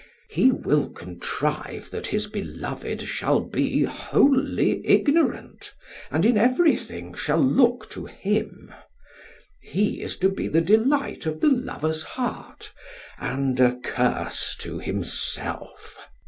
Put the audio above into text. He will contrive that his beloved shall be wholly ignorant, and in everything shall look to him; he is to be the delight of the lover's heart, and a curse to himself.